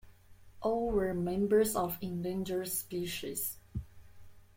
All were members of endangered species.